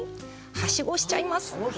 はしごしちゃいます！